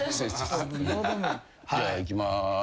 じゃあいきまーす。